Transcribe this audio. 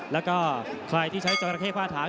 แล้วก็ใครที่ใช้จราเข้ฝ้าถาง